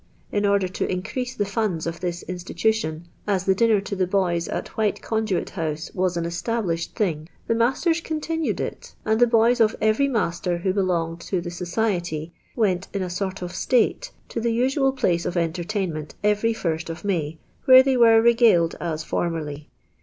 In urdiT lo increase the funds of this institution, as till' dinner to the boys at White Conduit Hou«e was an established thing, the masters continued it. and the buys of I'very master who beloni^ed to the .S'M'iety wi nt in a sort of ^tate to the usual place of entertainment every Ist of M.iy. where they wer»' regaled as fomierly.